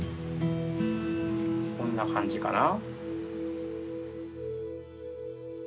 こんな感じかな？